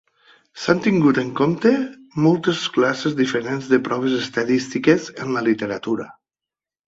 S'han tingut en compte moltes classes diferents de proves estadístiques en la literatura.